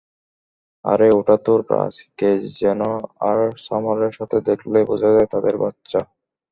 আরে ওটা তো রাজ-কে জন আর সামারের সাথে দেখলেই বোঝা যায় তাদের বাচ্চা।